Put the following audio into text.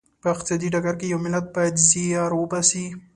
په اقتصادي ډګر کې یو ملت باید زیار وباسي.